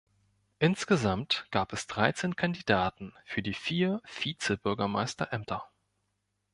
Insgesamt gab es dreizehn Kandidaten für die vier Vizebürgemeister-Ämter.